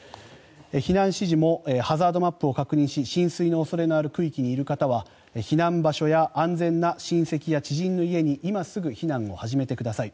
避難指示もハザードマップを確認し浸水の恐れのある区域にいる方は避難場所や安全な親戚や知人の家に今すぐ避難を始めてください。